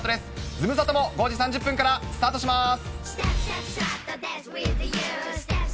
ズムサタも５時３０分からスタートします。